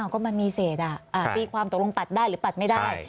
ก็มันมีเศษตีความตกลงปัดได้หรือปัดไม่ได้